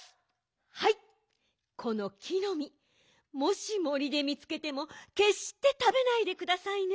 はいこの木のみもし森でみつけてもけっしてたべないでくださいね。